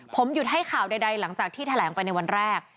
ผมหยุดให้ข่าวใดหลังจากที่แถลงไปในวันแรก